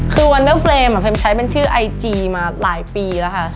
คือวันเดอร์เฟรมเฟรมใช้เป็นชื่อไอจีมาหลายปีแล้วค่ะ